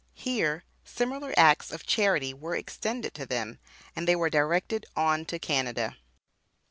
Here similar acts of charity were extended to them, and they were directed on to Canada.